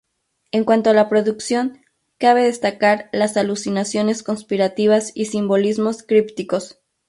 En cuanto a la producción, cabe destacar las alusiones conspirativas y simbolismos crípticos.